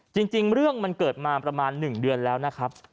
จริงเรื่องมันเกิดมาประมาณ๑เดือนแล้วนะครับ